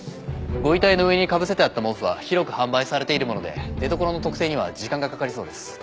ご遺体の上にかぶせてあった毛布は広く販売されているもので出どころの特定には時間がかかりそうです。